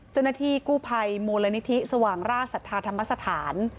เจ้าหน้าที่กู้ภัยมูลนิธิสว่างราชศรัทธาธรรมสถาน